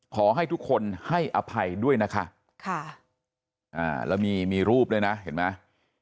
ขอให้ทุกคนให้อภัยด้วยนะคะค่ะอ่าแล้วมีรูปด้วยนะเห็นไหม